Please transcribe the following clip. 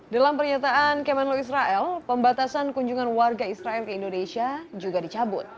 dalam pernyataan kemenlo israel pembatasan kunjungan warga israel ke indonesia juga dicabut